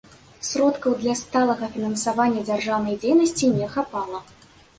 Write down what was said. Сродкаў для сталага фінансавання дзяржаўнай дзейнасці не хапала.